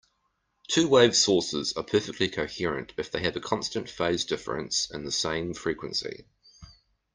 Two-wave sources are perfectly coherent if they have a constant phase difference and the same frequency.